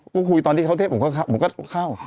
ทีที่เขาเทศผมก็เข้า